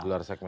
di luar sana